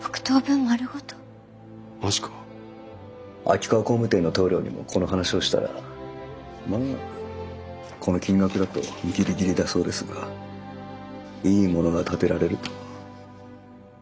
秋川工務店の棟梁にもこの話をしたらこの金額だとギリギリだそうですがいいものが建てられると。